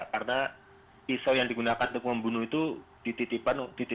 karena pisau yang digunakan untuk membunuh itu dititipkan oleh my ke kakak dari rs